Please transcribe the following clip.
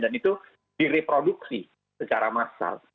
dan itu direproduksi secara massal